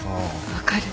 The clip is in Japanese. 分かる。